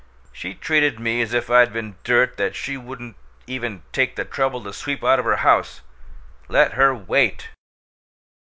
She treated me as if I'd been dirt that she wouldn't even take the trouble to sweep out of her house! Let her WAIT!"